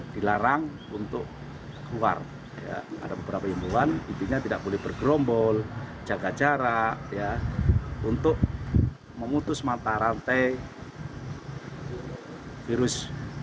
dilarang untuk keluar ada beberapa imbuan intinya tidak boleh bergerombol jaga jarak untuk memutus mata rantai virus